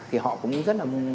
thì họ cũng rất là muốn tự nhiên